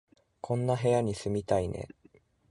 こんな部屋に住みたいね